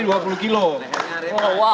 derajat celsius pak ya